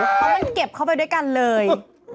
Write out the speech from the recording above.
มันเก็บเข้าไปด้วยกันเลย